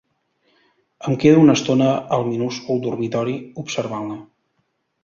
Em quedo una estona al minúscul dormitori, observant-la.